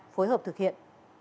phối hợp thực hiện